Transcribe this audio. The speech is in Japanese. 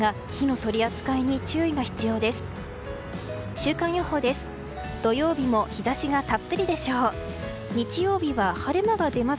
週間予報です。